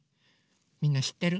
みんなしってる？